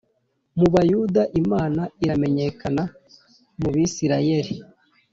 Mu Bayuda Imana iramenyekana Mu Bisirayeli